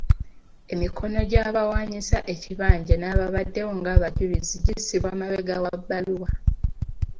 Emikono gy'abawaanyisa ekibanja n'ababaddewo ng’abajulizi gissibwa mabega wa bbaluwa.